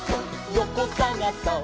よこさがそっ！」